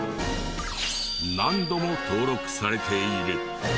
何度も登録されている。